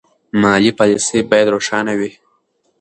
مالي پالیسي باید روښانه وي.